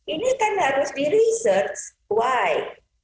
ini kan harus di research why